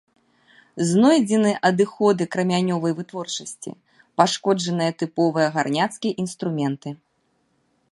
Знойдзены адыходы крамянёвай вытворчасці, пашкоджаныя тыповыя гарняцкія інструменты.